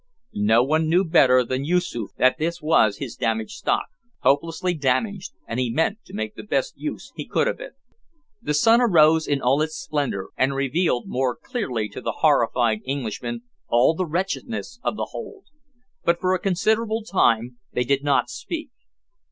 No one knew better than Yoosoof that this was his "damaged stock" hopelessly damaged, and he meant to make the best use he could of it. The sun arose in all its splendour, and revealed more clearly to the horrified Englishmen all the wretchedness of the hold, but for a considerable time they did not speak.